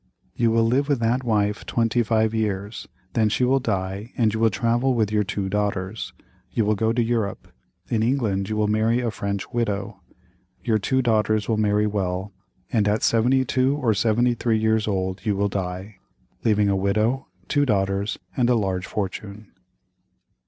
You will live with that wife twenty five years, then she will die and you will travel with your two daughters. You will go to Europe. In England you will marry a French widow. Your two daughters will marry well, and at 72 or 73 years old you will die, leaving a widow, two daughters, and a large fortune."